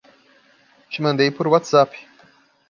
Te mandei por WhatsApp